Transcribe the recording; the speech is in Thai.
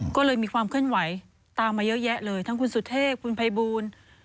ก็เลยมีความเคลื่อนไหวตามมาเยอะแยะเลยทั้งคุณสุเทพคุณภัยบูล